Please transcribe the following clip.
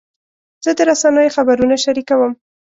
زه د رسنیو خبرونه شریکوم.